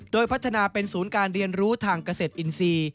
โดยพัฒนาเป็นศูนย์การเรียนรู้ทางเกษตรอินทรีย์